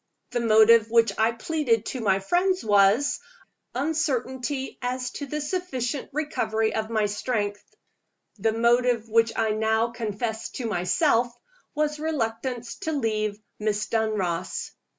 The motive which I pleaded to my friends was uncertainty as to the sufficient recovery of my strength. The motive which I now confessed to myself was reluctance to leave Miss Dunross.